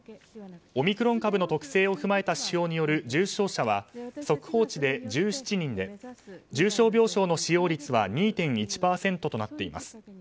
オミクロン株の特性を踏まえた指標による重症者は速報値で１７人で重症病床の使用率は２．１％となっています。